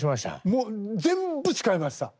もう全部使いました。